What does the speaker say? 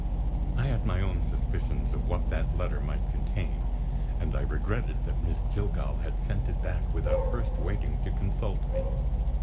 I had my own suspicions of what that letter might contain; and I regretted that Miss Jillgall had sent it back without first waiting to consult me.